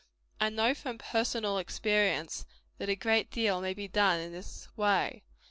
I know from personal experience, that a great deal may be done in this way.